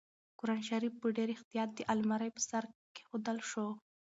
قرانشریف په ډېر احتیاط د المارۍ په سر کېښودل شو.